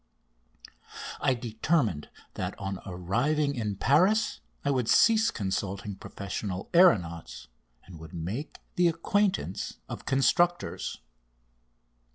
I determined that on arriving in Paris I would cease consulting professional aeronauts and would make the acquaintance of constructors.